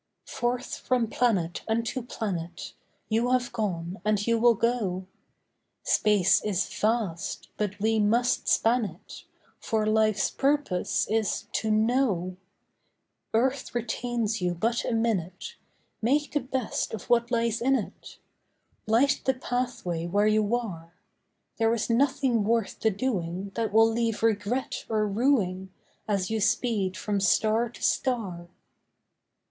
Forth from planet unto planet, You have gone, and you will go. Space is vast, but we must span it; For life's purpose is to know. Earth retains you but a minute, Make the best of what lies in it; Light the pathway where you are. There is nothing worth the doing That will leave regret or rueing, As you speed from star to star.